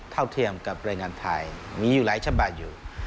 เท่าเทียมกับแรงงานไทยมีอยู่หลายฉบับอยู่